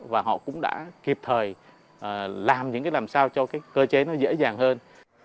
và họ cũng đã kịp thời làm những cái làm sao cho cái cơ chế nó dễ dàng hơn